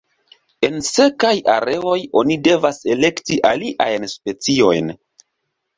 En sekaj areoj oni devas elekti aliajn speciojn.